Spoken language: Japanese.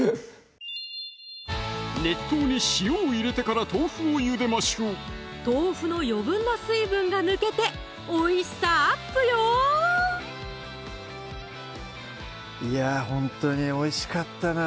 熱湯に塩を入れてから豆腐をゆでましょう豆腐の余分な水分が抜けておいしさアップよいやほんとにおいしかったな